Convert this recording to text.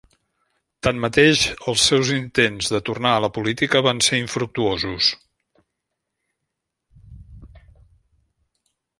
Tanmateix, els seus intents de tornar a la política van ser infructuosos.